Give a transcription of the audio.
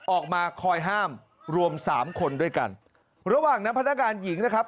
ออกมาคอยห้ามรวมสามคนด้วยกันระหว่างนั้นพนักงานหญิงนะครับ